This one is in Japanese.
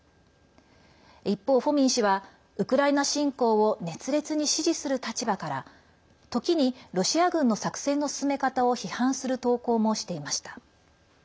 一方、フォミン氏はウクライナ侵攻を熱烈に支持する立場から時にロシア軍の作戦の進め方を批判する投稿もしていました。